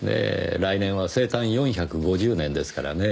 来年は生誕４５０年ですからねぇ。